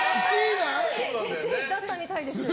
１位とったみたいです。